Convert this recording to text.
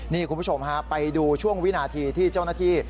นี่คุณผู้ชมฮะไปดูช่วงวินาทีที่เจ้าหน้าที่